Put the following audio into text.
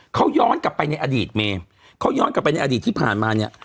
เขาย้อนกลับไปในอดีตเมย์เขาย้อนกลับไปในอดีตที่ผ่านมาเนี่ย